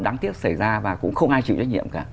đáng tiếc xảy ra và cũng không ai chịu trách nhiệm cả